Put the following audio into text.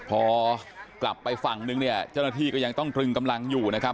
พอกลับไปฝั่งนึงเนี่ยเจ้าหน้าที่ก็ยังต้องตรึงกำลังอยู่นะครับ